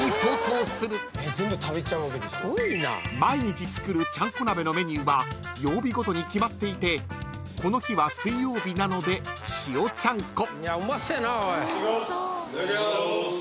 ［毎日作るちゃんこ鍋のメニューは曜日ごとに決まっていてこの日は水曜日なので塩ちゃんこ］